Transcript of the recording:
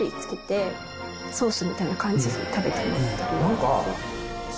何か。